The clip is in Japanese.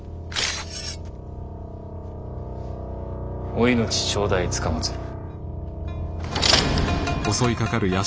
お命頂戴つかまつる。